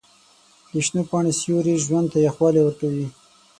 د شنو پاڼو سیوري ژوند ته یخوالی ورکوي.